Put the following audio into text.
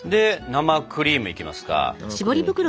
生クリームいきますか。